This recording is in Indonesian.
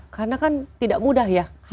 karena kan tidak mudah ya